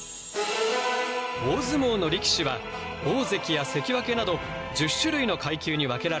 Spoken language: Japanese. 大相撲の力士は大関や関脇など１０種類の階級に分けられている。